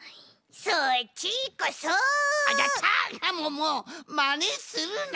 もうまねするな！